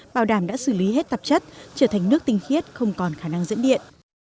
bảo đảm đã xử lý hết tạp chất trở thành nước tinh khiết không còn khả năng dẫn điện